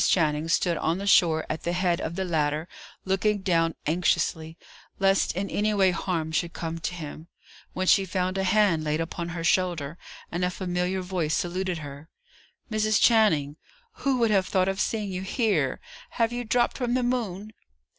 Channing stood on the shore at the head of the ladder, looking down anxiously, lest in any way harm should come to him, when she found a hand laid upon her shoulder, and a familiar voice saluted her. "Mrs. Channing! Who would have thought of seeing you here! Have you dropped from the moon?"